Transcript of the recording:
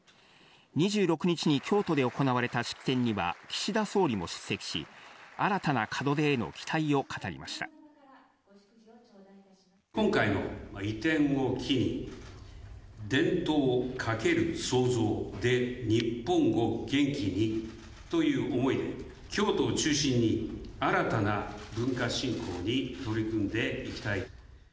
２６日に京都で行われた式典には、岸田総理も出席し、今回の移転を機に、伝統×創造で日本を元気にという思いで、京都を中心に、新たな文化振興に取り組んでいきたい。